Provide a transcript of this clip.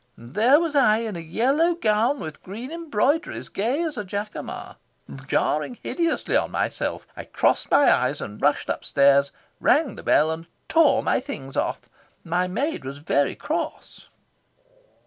And there was I, in a yellow gown with green embroideries, gay as a jacamar, jarring hideously on myself. I covered my eyes and rushed upstairs, rang the bell and tore my things off. My maid was very cross."